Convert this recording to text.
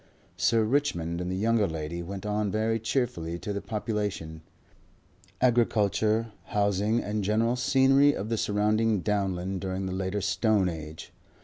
Sir Richmond and the younger lady went on very cheerfully to the population, agriculture, housing and general scenery of the surrounding Downland during the later Stone Age.